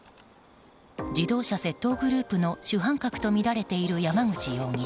自動車窃盗グループの主犯格とみられている山口容疑者。